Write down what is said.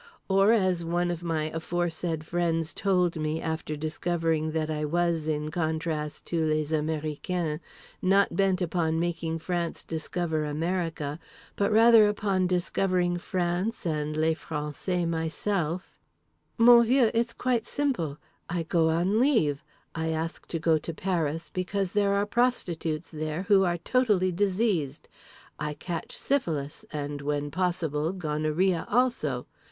Or as one of my aforesaid friends told me—after discovering that I was, in contrast to les américains, not bent upon making France discover America but rather upon discovering France and les français myself: "Mon vieux, it's quite simple. I go on leave. I ask to go to Paris, because there are prostitutes there who are totally diseased. I catch syphilis, and, when possible gonorrhea also.